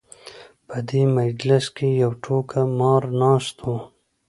په دې مجلس کې یو ټوکه مار ناست و.